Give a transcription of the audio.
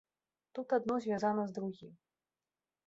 Тут адно звязана з другім.